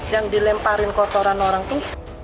yang dilemparin kotoran orang tuh